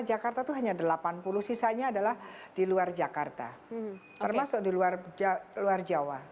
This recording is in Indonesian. jakarta itu hanya delapan puluh sisanya adalah di luar jakarta termasuk di luar jawa